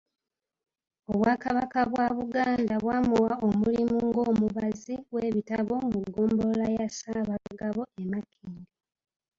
Obwakabaka bwa Buganda bwamuwa omulimu ng'omubazi w’ebitabo mu ggombolola ya Ssaabagabo e Makindye..